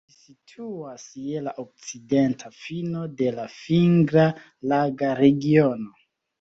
Ĝi situas je la okcidenta fino de la Fingra-Laga Regiono.